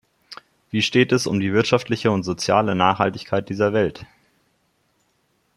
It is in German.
Wie steht es um die wirtschaftliche und soziale Nachhaltigkeit dieser Welt?